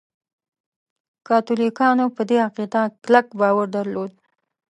کاتولیکانو په دې عقیده کلک باور درلود.